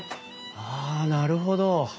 ああなるほど。